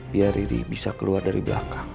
biar ini bisa keluar dari belakang